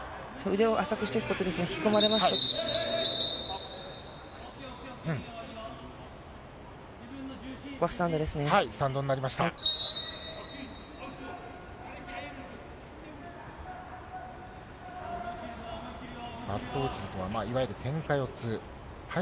腕を浅くしていくことで、引き込まれますと。